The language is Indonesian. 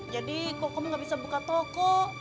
jadi kok kamu gak bisa buka toko